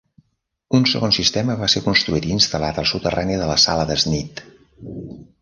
Un segon sistema va ser construït i instal·lat al soterrani de la sala de Sneed.